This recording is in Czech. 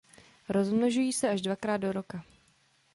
Rozmnožují se až dvakrát do roka.